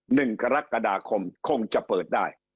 หนึ่งกรกฎาคมคงจะเปิดได้